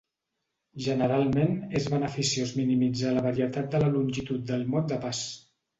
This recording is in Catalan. Generalment és beneficiós minimitzar la varietat de la longitud del mot de pas.